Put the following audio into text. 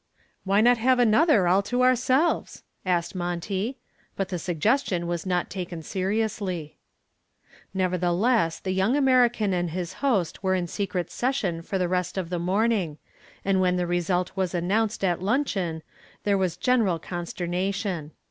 "Why not have another all to ourselves?" asked Monty. But the suggestion was not taken seriously. Nevertheless the young American and his host were in secret session for the rest of the morning, and when the result was announced at luncheon there was general consternation.